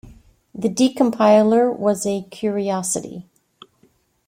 The decompiler was a curiosity.